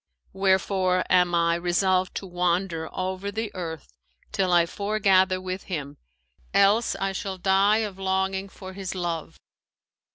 Wherefore am I resolved to wander over the earth, till I foregather with him; else I shall die of longing for his love.'